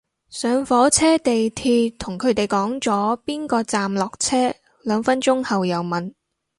上火車地鐵同佢哋講咗邊個站落車，兩分鐘後又問